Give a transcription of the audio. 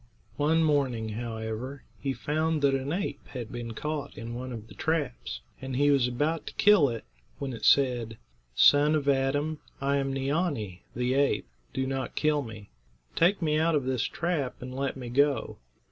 One morning, however, he found that an ape had been caught in one of the traps, and he was about to kill it, when it said: "Son of Adam, I am Neea'nee, the ape; do not kill me. Take me out of this trap and let me go.